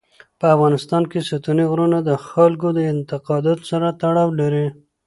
په افغانستان کې ستوني غرونه د خلکو د اعتقاداتو سره تړاو لري.